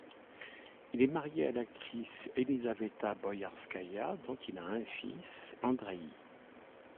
Il est marié à l'actrice Elizaveta Boïarskaïa, dont il a un fils, Andreï.